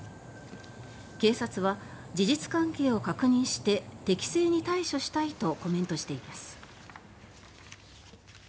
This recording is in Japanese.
警察は事実関係を確認して適正に対処したいとコメントしています。